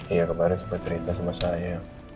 iya kemarin sempat cerita sama saya